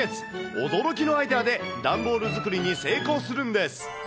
驚きのアイデアで、段ボール作りに成功するんです。